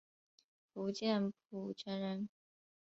福建浦城人。